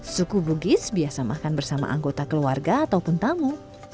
suku bugis biasa makan bersama anggota keluarga ataupun tamu